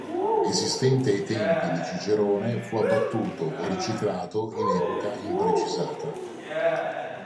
Esistente ai tempi di Cicerone, fu abbattuto o riciclato in epoca imprecisata.